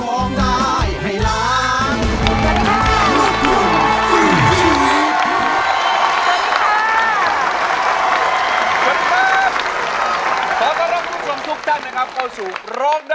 สวัสดีค่ะ